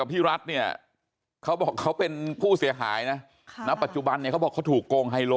พี่รัฐเนี่ยเขาบอกเขาเป็นผู้เสียหายนะณปัจจุบันเนี่ยเขาบอกเขาถูกโกงไฮโล